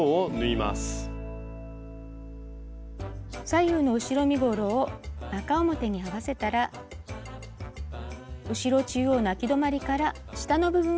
左右の後ろ身ごろを中表に合わせたら後ろ中央のあき止まりから下の部分を縫います。